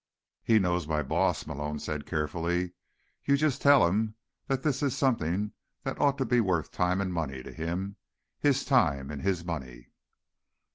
"He knows my boss," Malone said carefully. "You just tell him that this is something that ought to be worth time and money to him. His time, and his money."